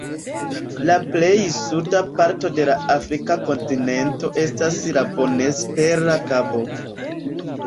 La plej suda parto de la Afrika kontinento estas la Bonespera Kabo.